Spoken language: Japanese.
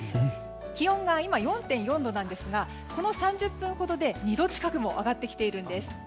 気温が今、４．４度ですがこの３０分ほどで２度近くも上がってきているんです。